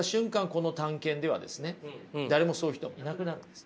この探検ではですね誰もそういう人がいなくなるんです。